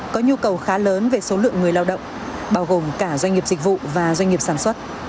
có nhu cầu khá lớn về số lượng người lao động bao gồm cả doanh nghiệp dịch vụ và doanh nghiệp sản xuất